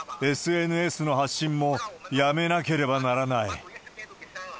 ＳＮＳの発信もやめなければならない。